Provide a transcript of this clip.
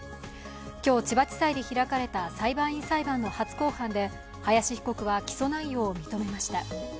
今日、千葉地裁で開かれた裁判員裁判の初公判で林被告は起訴内容を認めました。